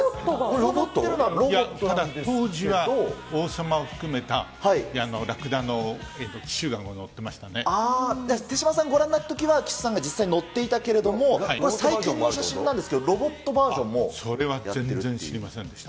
当時は王様を含めた、手嶋さん、ご覧になったときは、騎手さんが実際乗っていたけれども、最近の写真なんですけど、それは全然知りませんでした。